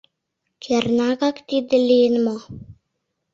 Кернакак тиде лийын мо?